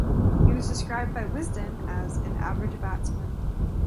He was described by "Wisden" as "an average batsman".